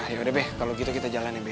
yaudah be kalau gitu kita jalanin be